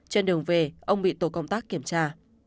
trên đường về ông bị tổ công tác kiểm tra